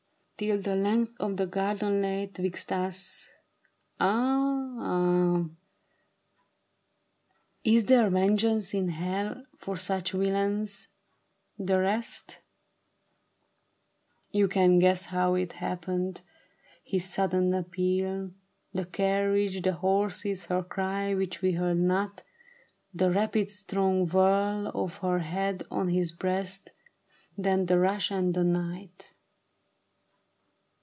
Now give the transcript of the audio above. Till the length of the garden lay 'twixt us. Ah ! ah ! 4 y^ A TRAGEDY OF SEDAN. Is there vengeance in hell for such villains ? The rest ? You can guess how it happened — his sudden ap peal —• The carriage — the horses — her cry which we heard not — The rapid strong whirl of her head on his breast — Then the rush and the night.